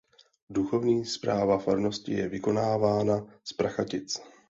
Duchovní správa farnosti je vykonávána z Prachatic.